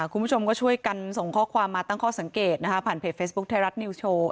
คุณผู้ชมก็ช่วยกันส่งข้อความมาตั้งข้อสังเกตนะคะผ่านเพจเฟซบุ๊คไทยรัฐนิวโชว์